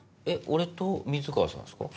俺と水川さんですか？